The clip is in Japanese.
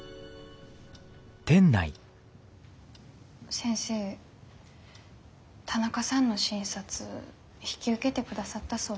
先生田中さんの診察引き受けてくださったそうですね。